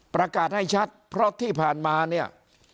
ประกาศให้ชัดเพราะที่ผ่านมาเนี่ย